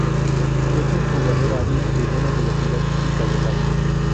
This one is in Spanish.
Es un jugador hábil, de buena velocidad y cabezazo.